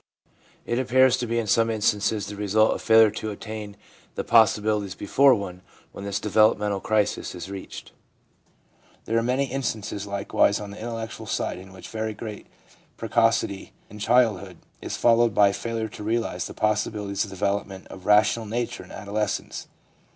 It appears to be in some instances the result of failure to attain the possi bilities before one when this developmental crisis is 276 THE PSYCHOLOGY OF RELIGION reached. There are many instances likewise on the in tellectual side in which very great precocity in childhood is followed by failure to realise the possibilities of the development of rational nature in adolescence.